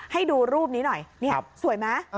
ให้ดูรูปนี้หน่อยนี่สวยไหม